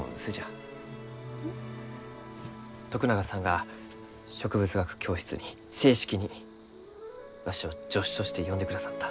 徳永さんが植物学教室に正式にわしを助手として呼んでくださった。